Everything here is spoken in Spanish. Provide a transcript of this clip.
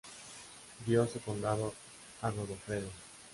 Dio su condado a Godofredo.